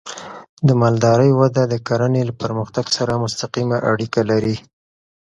د مالدارۍ وده د کرنې له پرمختګ سره مستقیمه اړیکه لري.